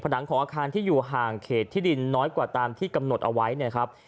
หนังของอาคารที่อยู่ห่างเขตที่ดินน้อยกว่าตามที่กำหนดเอาไว้นะครับ